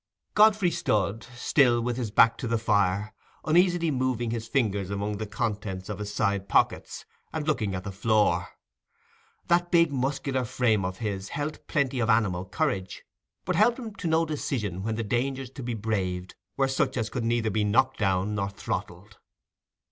Godfrey stood, still with his back to the fire, uneasily moving his fingers among the contents of his side pockets, and looking at the floor. That big muscular frame of his held plenty of animal courage, but helped him to no decision when the dangers to be braved were such as could neither be knocked down nor throttled.